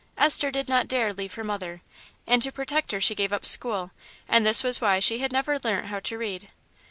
Esther did not dare leave her mother, and to protect her she gave up school, and this was why she had never learnt how to read.